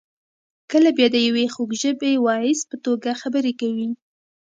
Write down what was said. کله بیا د یوې خوږ ژبې واعظ په توګه خبرې کوي.